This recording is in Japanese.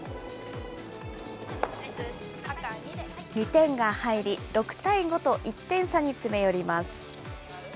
２点が入り、６対５と１点差に詰め寄ります。